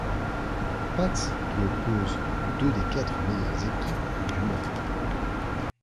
Pat's qui oppose deux des quatre meilleurs équipes du moment.